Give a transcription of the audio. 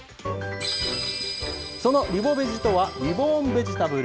そのリボベジとは、リボーンベジタブル。